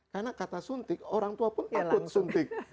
karena kata suntik orang tua pun takut suntik